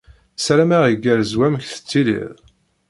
Ssarameɣ igerrez wamek tettiliḍ.